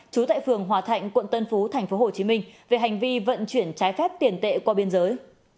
trú tại phường hòa thạnh quận tân phú tp hcm về hành vi vận chuyển trái phép tiền tệ qua biên giới